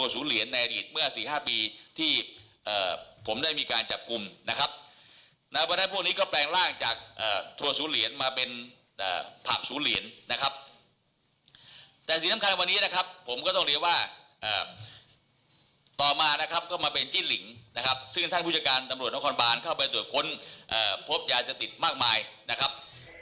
ซึ่งท่านผู้จัดการตำลวดน้องคอนบานเข้าไปตรวจค้นเอ่อพบยาจติดมากมายนะครับ